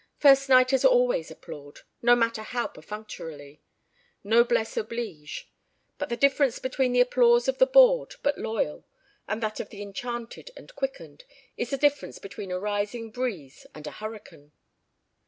First nighters always applaud, no matter how perfunctorily. Noblesse oblige. But the difference between the applause of the bored but loyal and that of the enchanted and quickened is as the difference between a rising breeze and a hurricane.